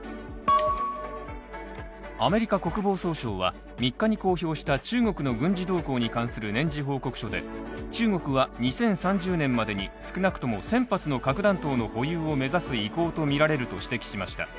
アメリカ国防総省は３日に公表した中国の軍事動向に関する年次報告書で中国は２０３０年までに少なくとも１０００発の核弾頭の保有を目指す意向とみられると指摘しました。